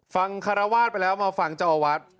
คารวาสไปแล้วมาฟังเจ้าอาวาส